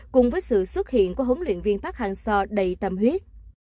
cùng với sự xuất hiện của huấn luyện viên park hang seo đầy tâm huyết